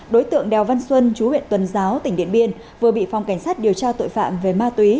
đối tượng đèo văn xuân chú huyện tuần giáo tỉnh điện biên vừa bị phòng cảnh sát điều tra tội phạm về ma túy